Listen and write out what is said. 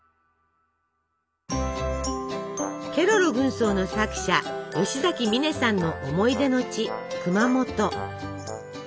ケロロ軍曹の作者吉崎観音さんの思い出の地熊本。